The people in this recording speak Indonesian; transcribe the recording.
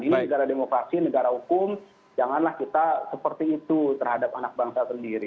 ini negara demokrasi negara hukum janganlah kita seperti itu terhadap anak bangsa sendiri